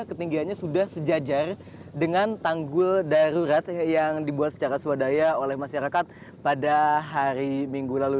ketinggiannya sudah sejajar dengan tanggul darurat yang dibuat secara swadaya oleh masyarakat pada hari minggu lalu